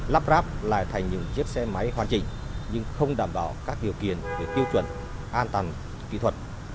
lắp ráp lại thành những chiếc xe máy hoàn chỉnh nhưng không đảm bảo các điều kiện về tiêu chuẩn an toàn kỹ thuật